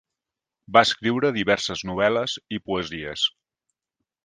Va escriure diverses novel·les i poesies.